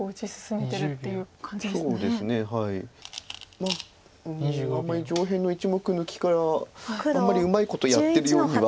まああんまり上辺の１目抜きからあんまりうまいことやってるようには。